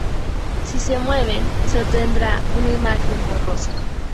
Si se mueven se obtendrá una imagen borrosa.